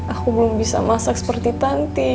aku belum bisa masak seperti tante